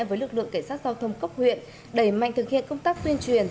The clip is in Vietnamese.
với lực lượng cảnh sát giao thông cấp huyện đẩy mạnh thực hiện công tác tuyên truyền